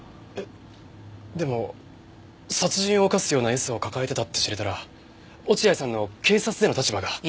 えっでも殺人を犯すようなエスを抱えてたって知れたら落合さんの警察での立場が。